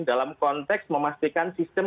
dalam konteks memastikan sistem